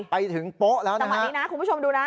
ไปถึงโป๊ะแล้วนะจังหวะนี้นะคุณผู้ชมดูนะ